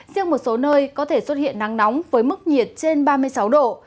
riêng một số nơi có thể xuất hiện nắng nóng với mức nhiệt trên ba mươi sáu độ